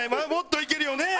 いけるよね？